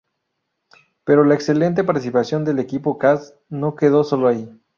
Pero la excelente participación del equipo Kas no quedó solo ahí.